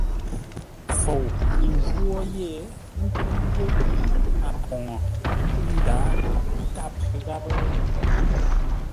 Fou ghʉ ńjwó yé, ə́ ntúŋú ńgó a poŋə ńdǎghʼ nkâp gháp.